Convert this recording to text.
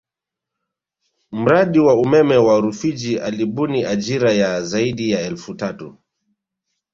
Mradi wa umeme wa Rufiji ulibuni ajira ya zaidi ya elfu tatu